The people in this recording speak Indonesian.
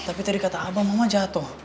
tapi tadi kata abang mama jatuh